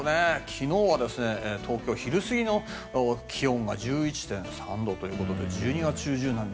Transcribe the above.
昨日は東京、昼過ぎの気温が１１．３度ということで１２月中旬並み。